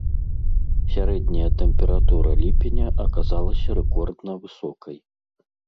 Сярэдняя тэмпература ліпеня аказалася рэкордна высокай.